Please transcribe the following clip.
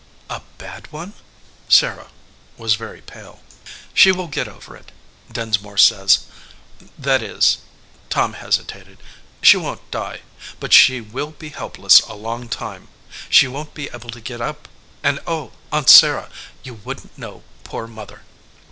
"A bad one ?" Sarah was very pale. "She will get over it, Dinsmore says. That is" Tom hesitated "she won t die, but she will be helpless a long time. She won t be able to get up, and oh, Aunt Sarah, you wouldn t know poor Mother."